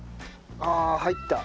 ああ入った。